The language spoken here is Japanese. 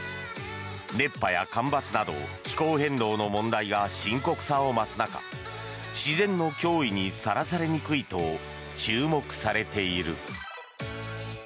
熱波や干ばつなど気候変動の問題が深刻さを増す中自然の脅威にさらされにくいと注目されている。